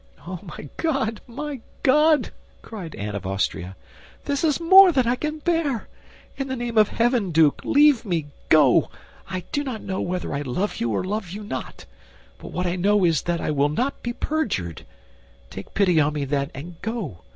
"Oh, my God, my God!" cried Anne of Austria, "this is more than I can bear. In the name of heaven, Duke, leave me, go! I do not know whether I love you or love you not; but what I know is that I will not be perjured. Take pity on me, then, and go!